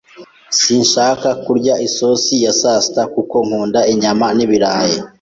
Sinshaka kurya isosi ya sasita, kuko nkunda inyama n'ibirayi.